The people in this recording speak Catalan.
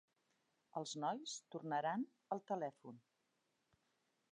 Els nois tornaran al telèfon.